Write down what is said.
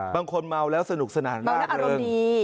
บางคนเมาแล้วสนุกสนานมากเลย